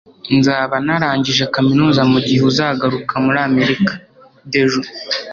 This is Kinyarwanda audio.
nzaba narangije kaminuza mugihe uzagaruka muri amerika. (dejo